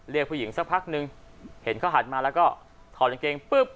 เรียกผู้หญิงสักพักนึงเห็นเขาหันมาแล้วก็ถอดกางเกงปุ๊บ